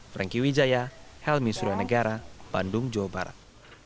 franky widjaya helmy suryanegara bandung jawa barat